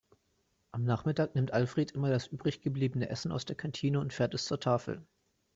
Am Nachmittag nimmt Alfred immer das übrig gebliebene Essen aus der Kantine und fährt es zur Tafel.